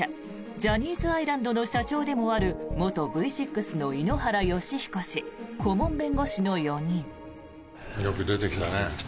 ジャニーズアイランドの社長でもある元Ｖ６の井ノ原快彦氏顧問弁護士の４人。